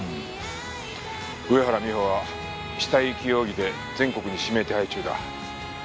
上原美帆は死体遺棄容疑で全国に指名手配中だ。